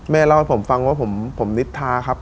เล่าให้ผมฟังว่าผมนิทาครับ